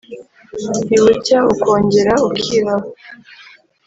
ntibucya ukongera ukiraba